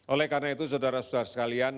oleh karena itu saudara saudara sekalian